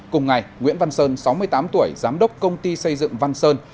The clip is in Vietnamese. cùng ngày nguyễn văn sơn sáu mươi tám tuổi giám đốc công ty xây dựng văn sơn